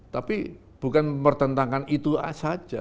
tapi bukan bertentangan itu saja